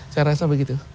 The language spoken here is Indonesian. saya rasa begitu